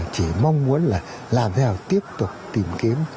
chỉ mong muốn là làm thế nào tiếp tục tìm kiếm